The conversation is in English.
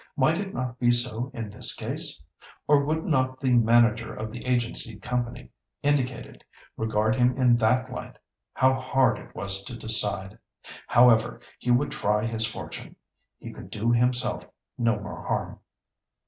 Might it not be so in this case? Or would not the manager of the agency company indicated regard him in that light? How hard it was to decide! However, he would try his fortune. He could do himself no more harm.